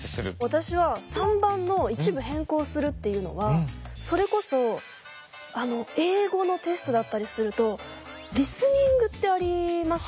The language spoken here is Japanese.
私は３番の「一部変更する」っていうのはそれこそ英語のテストだったりするとリスニングってありますよね。